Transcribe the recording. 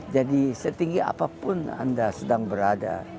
jadi setinggi apapun anda sedang berada